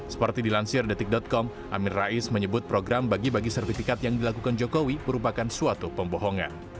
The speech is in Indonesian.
seperti dilansir detik com amin rais menyebut program bagi bagi sertifikat yang dilakukan jokowi merupakan suatu pembohongan